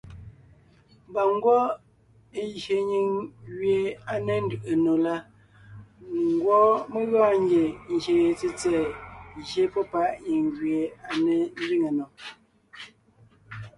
Mba ngwɔ́ é gye nyìŋ gẅie à ne ńdʉʼʉ nò la, ngwɔ́ mé gɔɔn ngie ngyè ye tsètsɛ̀ɛ gye pɔ́ páʼ nyìŋ gẅie à ne ńzẅíŋe nò.